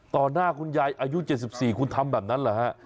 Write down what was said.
หน้าคุณยายอายุ๗๔คุณทำแบบนั้นเหรอฮะ